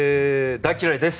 大嫌いです！